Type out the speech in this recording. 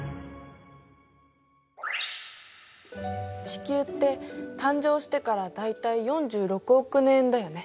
地球って誕生してから大体４６億年だよね。